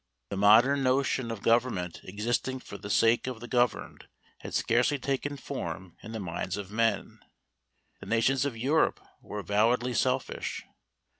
The modern notion of government existing for the sake of the governed had scarcely taken form in the minds of men. The nations of Europe were avowedly selfish.